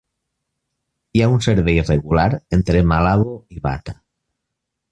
Hi ha un servei regular entre Malabo i Bata.